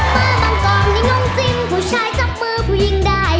มาบางกอกนิ่งง่องทิ้งผู้ชายจับมือผู้หญิงได้